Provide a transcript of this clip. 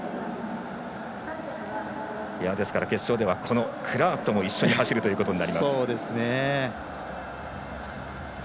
決勝では、クラークとも一緒に走るということになります。